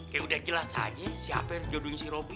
kayak udah jelas aja siapa yang jodohnya si robby